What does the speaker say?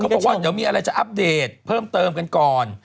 เค้าบอกว่านํยังมีอะไรจะอัปเดตเพิ่มเติมกันก่อน